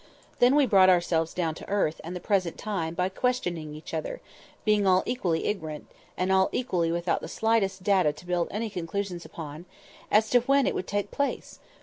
Then we brought ourselves down to earth and the present time by questioning each other (being all equally ignorant, and all equally without the slightest data to build any conclusions upon) as to when IT would take place?